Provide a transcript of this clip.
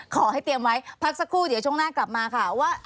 ขอให้เตรียมไว้พักสักครู่เดี๋ยวช่วงหน้ากลับมาค่ะว่า